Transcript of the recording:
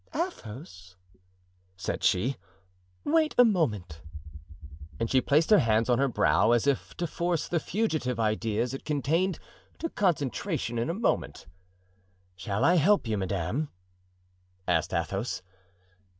"Athos?" said she; "wait a moment." And she placed her hands on her brow, as if to force the fugitive ideas it contained to concentration in a moment. "Shall I help you, madame?" asked Athos.